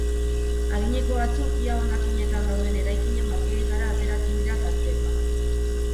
Adineko batzuk ia hondakinetan dauden eraikinen balkoietara ateratzen dira tarteka.